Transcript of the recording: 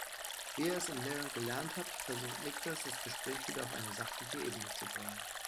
Wie er es im Lehrgang gelernt hat, versucht Niklas das Gespräch wieder auf eine sachliche Ebene zu bringen.